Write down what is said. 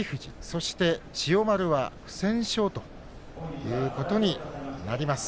そして、千代丸は不戦勝ということになります。